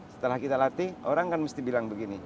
setelah kita latih orang kan mesti bilang begini